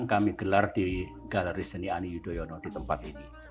kami gelar di galeri seni ani yudhoyono di tempat ini